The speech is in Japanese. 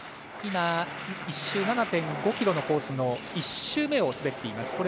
今、１周７．５ｋｍのコースの１周目を滑っています。